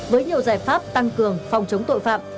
với nhiều giải pháp tăng cường phòng chống tội phạm